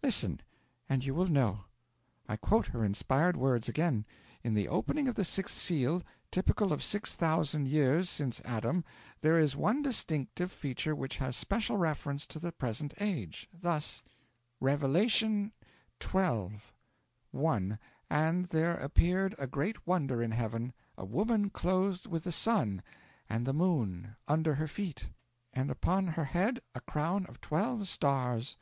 'Listen, and you will know. I quote her inspired words again: "In the opening of the Sixth Seal, typical of six thousand years since Adam, there is one distinctive feature which has special reference to the present age. Thus: '"Revelation xii. 1. And there appeared a great wonder in heaven a woman clothed with the sun, and the moon under her feet, and upon her head a crown of twelve stars."